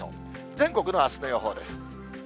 全国のあすの予報です。